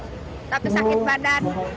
tapi sakit badan